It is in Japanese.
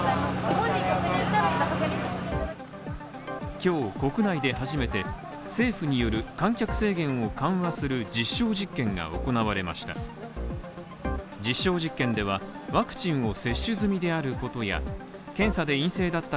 今日国内で初めて政府による観客制限を緩和する実証実験が行われました。